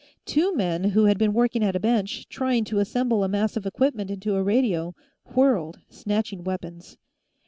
Two men, who had been working at a bench, trying to assemble a mass of equipment into a radio, whirled, snatching weapons.